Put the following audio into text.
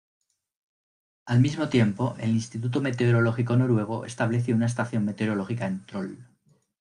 Al mismo tiempo, el Instituto Meteorológico Noruego estableció una estación meteorológica en Troll.